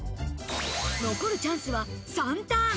残るチャンスは３ターン。